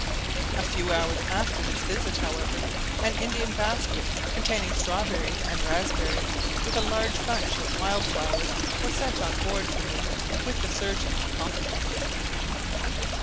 A few hours after his visit, however, an Indian basket, containing strawberries and raspberries, with a large bunch of wild flowers, was sent on board for me, with the surgeon's compliments.